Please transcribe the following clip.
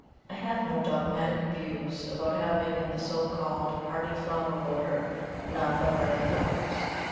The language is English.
I have no dogmatic views about having in the so called hardy flower border none but hardy flowers.